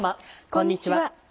こんにちは。